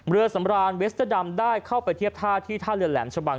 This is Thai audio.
เรือสำรานเวสเตอร์ดำได้เข้าไปเทียบท่าที่ท่าเรือแหลมชะบัง